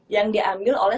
yang diambil oleh